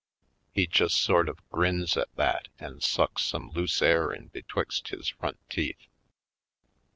He just sort of grins at that and sucks some loose air in betwixt his front teeth.